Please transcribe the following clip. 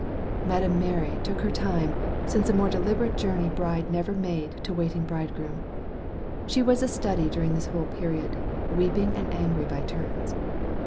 Madame Mary took her time, since a more deliberate journey bride never made to waiting bride groom. She was a study during this whole period weeping and angry by turns.